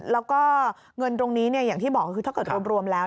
แล้วก็เงินตรงนี้อย่างที่บอกคือถ้าเกิดรวมแล้ว